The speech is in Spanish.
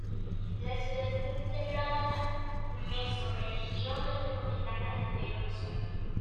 La ciudad está integrada en la mesorregión Metropolitana de Belo Horizonte.